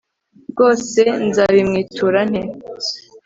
rwose nzabimwitura nte